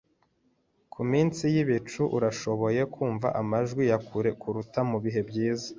Ku minsi yibicu, urashobora kumva amajwi ya kure kuruta mubihe byiza.